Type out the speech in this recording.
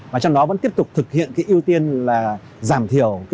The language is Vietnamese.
và trong đó vẫn tiếp tục thực hiện cái ưu tiên là giảm thiểu